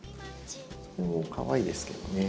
かわいいですけどね。